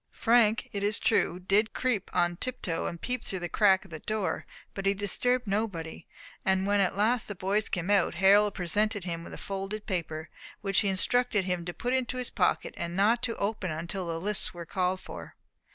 Frank, it is true, did creep on tip toe, and peep through the crack of the door, but he disturbed nobody; and when at last the boys came out, Harold presented him with a folded paper, which he instructed him to put into his pocket, and not to open till the lists were called for.